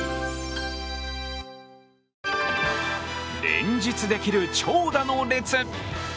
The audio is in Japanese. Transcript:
連日できる長蛇の列。